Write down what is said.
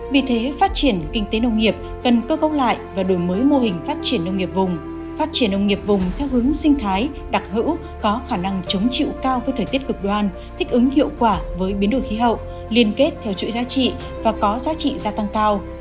vì thế phát triển kinh tế nông nghiệp cần cơ cấu lại và đổi mới mô hình phát triển nông nghiệp vùng phát triển nông nghiệp vùng theo hướng sinh thái đặc hữu có khả năng chống chịu cao với thời tiết cực đoan thích ứng hiệu quả với biến đổi khí hậu liên kết theo chuỗi giá trị và có giá trị gia tăng cao